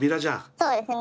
そうですね。